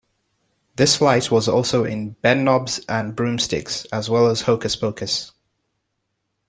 This flight was also in "Bedknobs and Broomsticks" as well as "Hocus Pocus".